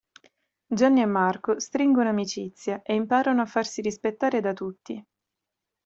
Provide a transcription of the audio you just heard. Gianni e Marco stringono amicizia, e imparano a farsi rispettare da tutti.